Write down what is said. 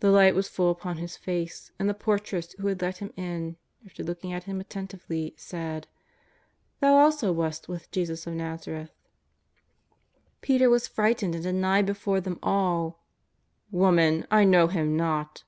The light was full upon his face, and the portress, who had let him in, after looking at him attentively, said :" Thou also wast with tTesus of ITazareth." Peter was frightened and denied before them all: ^' Woman, I know Him not."